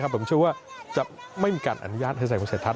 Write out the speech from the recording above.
ผมเชื่อว่าจะไม่มีการอนุญาตให้แสดงวิสัยทัศน์